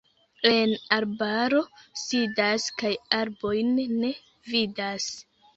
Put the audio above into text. En arbaro sidas kaj arbojn ne vidas.